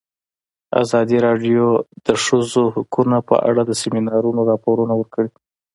ازادي راډیو د د ښځو حقونه په اړه د سیمینارونو راپورونه ورکړي.